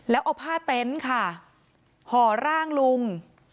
แล้วเอาผ้าเต็นต์ค่ะห่อร่างลุง